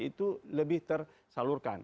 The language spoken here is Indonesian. itu lebih tersalurkan